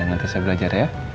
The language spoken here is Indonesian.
nanti saya belajar ya